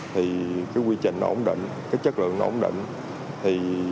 thì cái quy trình nó ổn định cái chất lượng nó ổn định